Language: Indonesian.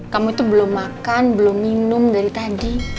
kamu itu belum makan belum minum dari tadi